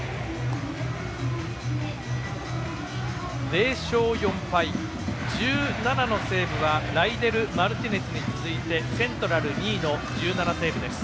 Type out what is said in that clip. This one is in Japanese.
０勝４敗１７のセーブはライデル・マルティネスに続いてセントラル２位の１７セーブです。